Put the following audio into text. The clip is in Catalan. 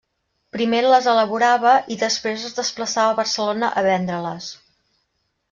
Primer les elaborava i després es desplaçava a Barcelona a vendre-les.